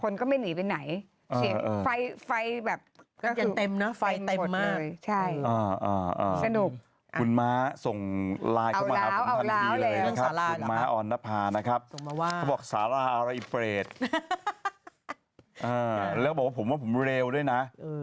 อ่อนรับภานะครับเขาบอกสาราอะไรเฟรดอ่าแล้วเขาบอกว่าผมว่าผมเรวด้วยน่ะ